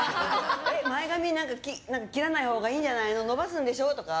前髪切らないほうがいいんじゃないの伸ばすんでしょとか。